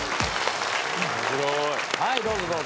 はいどうぞどうぞ。